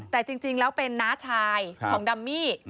แต่จริงแล้วเป็นน้าชายของดัมมี่